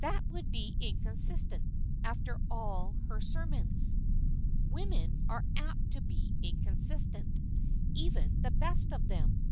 "That would be inconsistent, after all her sermons." "Women are apt to be inconsistent even the best of them."